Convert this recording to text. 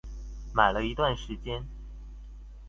買了一段時間